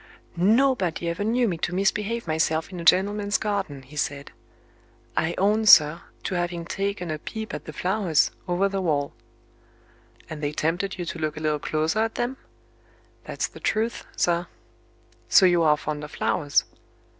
"Nobody ever knew me to misbehave myself in a gentleman's garden," he said; "I own, sir, to having taken a peep at the flowers, over the wall." "And they tempted you to look a little closer at them?" "That's the truth, sir." "So you are fond of flowers?"